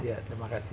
ya terima kasih